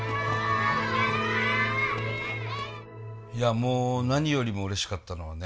いやもう何よりもうれしかったのはね